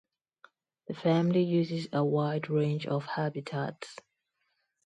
The family uses a wide range of habitats.